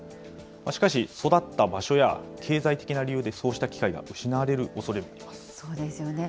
しかし、育った場所や経済的な理由でそうした機会が失われるおそそうですよね。